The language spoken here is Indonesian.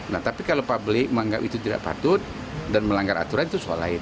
nah tapi kalau publik menganggap itu tidak patut dan melanggar aturan itu soal lain